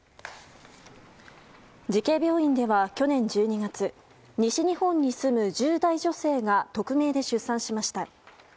慈恵病院では去年１２月西日本に住む１０代女性が匿名で出産しました。